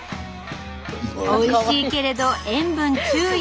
おいしいけれど塩分注意。